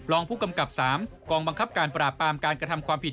รองผู้กำกับ๓กองบังคับการปราบปรามการกระทำความผิด